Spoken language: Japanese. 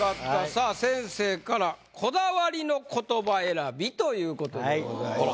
さあ先生から「こだわりの言葉選び！」ということでございます。